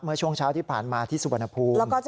เมื่อช่วงเช้าที่ผ่านมาที่สุวรรณภูมิ